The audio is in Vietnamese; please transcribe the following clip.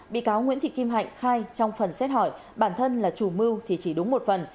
bị cáo nguyễn thị kim hạnh khai trong phần xét hỏi bản thân là chủ mưu thì chỉ đúng một phần